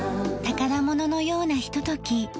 宝物のようなひととき。